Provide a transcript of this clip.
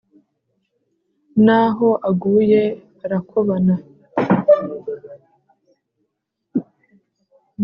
N’aho aguye arakobana.